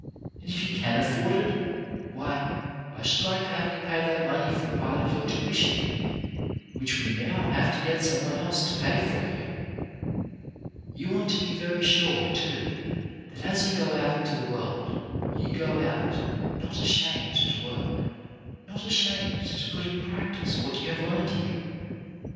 And if you can afford it, why, I should like to have you pay that money for a part of your tuition, which we now have to get some one else to pay for you. You want to be very sure, too, that as you go out into the world, you go out not ashamed to work; not ashamed to put in practice what you have learned here.